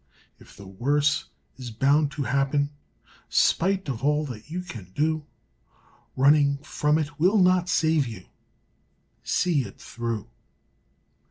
If the worse is bound to happen, Spite of all that you can do, Running from it will not save you, See it through!